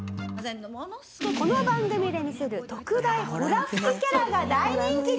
「この番組で見せる特大ホラ吹きキャラが大人気に！」